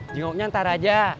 jenguknya ntar aja